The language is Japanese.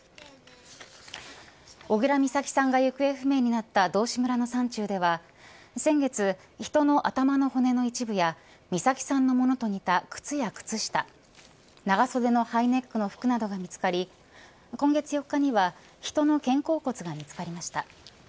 小倉美咲さんが行方不明になった道志村の山中では先月、人の頭の骨の一部や美咲さんのものと似た靴や靴下長袖のハイネックの服などが見つかり今月４日には人の肩甲骨が見つかりました。